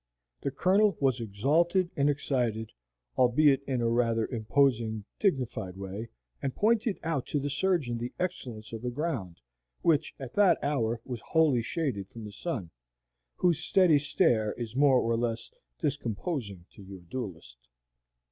The Colonel was exalted and excited, albeit in a rather imposing, dignified way, and pointed out to the surgeon the excellence of the ground, which at that hour was wholly shaded from the sun, whose steady stare is more or less discomposing to your duellist.